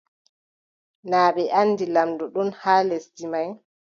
Naa ɓe anndi lamɗo ɗon haa lesdi may ?